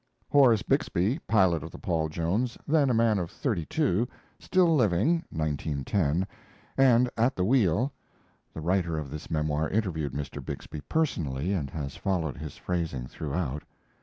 Horace Bixby, pilot of the Paul Jones, then a man of thirty two, still living (1910) and at the wheel, [The writer of this memoir interviewed Mr. Bixby personally, and has followed his phrasing throughout.